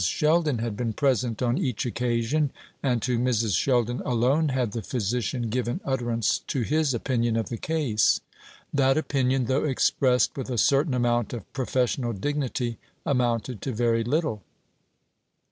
Sheldon had been present on each occasion, and to Mrs. Sheldon alone had the physician given utterance to his opinion of the case. That opinion, though expressed with a certain amount of professional dignity, amounted to very little.